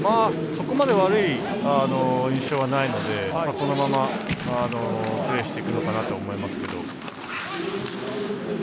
そこまで悪い印象はないのでこのままプレーしていくのかなと思います。